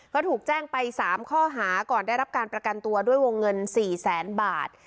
ก็ถูกแจ้งไป๓ข้อหาก่อนได้รับการประกันตัวด้วยวงเงิน๔แสนบาท